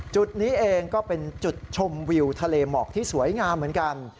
จุดนี้เองก็เป็นจุดชมวิวทะเลหมอกที่สวยงามเหมือนกัน